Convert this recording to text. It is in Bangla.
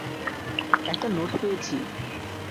একটা নোট পেয়েছি।